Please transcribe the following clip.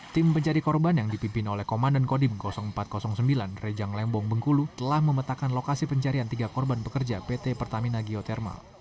tim pencari korban yang dipimpin oleh komandan kodim empat ratus sembilan rejang lembong bengkulu telah memetakan lokasi pencarian tiga korban pekerja pt pertamina geothermal